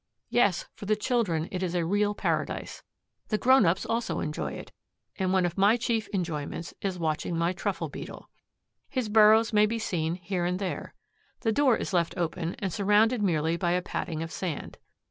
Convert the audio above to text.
Yes, for the children it is a real paradise. The grown ups also enjoy it, and one of my chief enjoyments is watching my Truffle beetle. His burrows may be seen here and there. The door is left open and surrounded merely by a padding of sand.